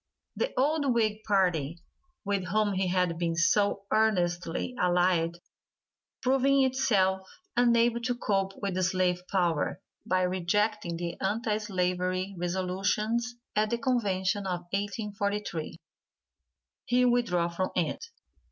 The old Whig party, with whom he had been so earnestly allied, proving itself unable to cope with the slave power, by rejecting the anti slavery resolutions at the convention of 1843, he withdrew from it.